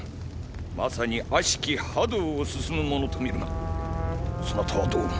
まさに悪しき覇道を進む者と見るがそなたはどう思う？